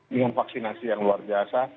dengan vaksinasi yang luar biasa